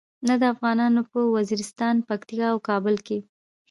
نه د افغانانو په وزیرستان، پکتیا او کابل کې.